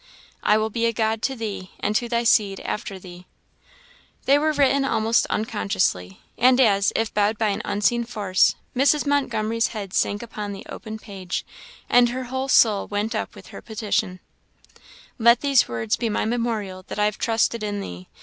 "I will be a God to thee, and to thy seed after thee." They were written almost unconsciously; and as, if bowed by an unseen force, Mrs. Montgomery's head sank upon the open page, and her whole soul went up with her petition: "Let these words be my memorial that I have trusted in thee.